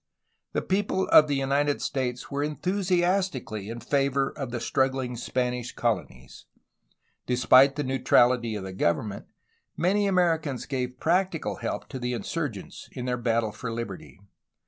The people of the United States were enthusiastically in favor of the struggling Spanish colonies. Despite the neutrality of the government, many Americans gave practical help to the insurgents in their battle for Hberty.